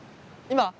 今？